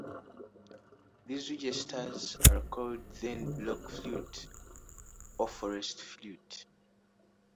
These registers are called then block-flute or forest-flute.